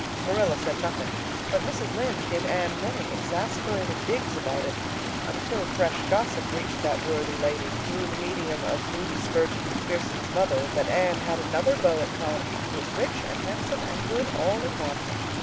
Marilla said nothing; but Mrs. Lynde gave Anne many exasperated digs about it, until fresh gossip reached that worthy lady, through the medium of Moody Spurgeon MacPherson's mother, that Anne had another "beau" at college, who was rich and handsome and good all in one.